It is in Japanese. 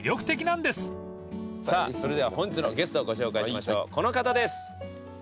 さぁそれでは本日のゲストをご紹介しましょうこの方です。